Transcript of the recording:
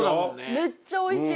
めっちゃおいしい！